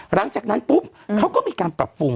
หลังจากนั้นปุ๊บเขาก็มีการปรับปรุง